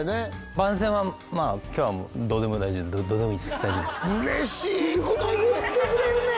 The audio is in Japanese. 番宣はまあ今日はもうどうでもいいです大丈夫ですうれしいこと言ってくれるね！